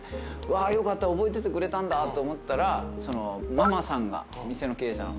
わよかった覚えててくれたんだと思ったらママさんが店の経営者の。